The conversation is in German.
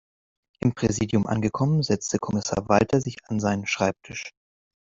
Im Präsidium angekommen, setzte Kommissar Walter sich an seinen Schreibtisch.